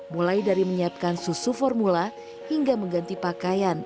mulai dari menyiapkan susu formula hingga mengganti pakaian